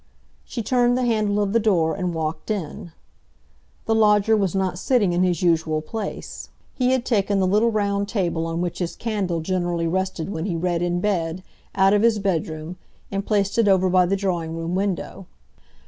She turned the handle of the door and walked in. The lodger was not sitting in his usual place; he had taken the little round table on which his candle generally rested when he read in bed, out of his bedroom, and placed it over by the drawing room window.